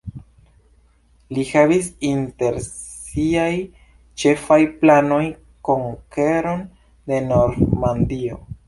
Li havis inter siaj ĉefaj planoj konkeron de Normandio.